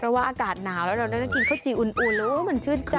เพราะว่าอากาศหนาวแล้วเราได้กินข้าวจีอุ่นแล้วมันชื่นใจ